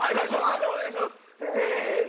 お願いしますせの！